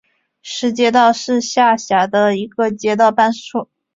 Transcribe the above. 石街道是下辖的一个街道办事处。